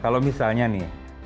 kalau misalnya nih